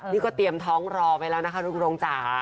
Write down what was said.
นี่ก็เตรียมท้องรอไปแล้วนะคะลุงรงจ๋า